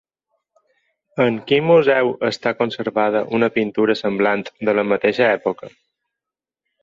En quin museu està conservada una pintura semblant de la mateixa època?